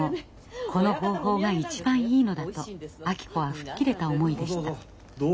この方法が一番いいのだと明子は吹っ切れた思いでした。